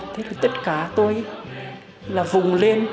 thế thì tất cả tôi là vùng lên